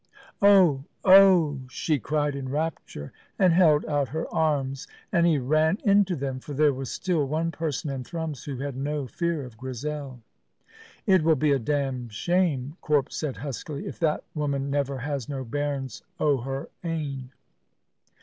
"Oh, oh!" she cried in rapture, and held out her arms; and he ran into them, for there was still one person in Thrums who had no fear of Grizel. "It will be a damned shame," Corp said huskily, "if that woman never has no bairns o' her ain."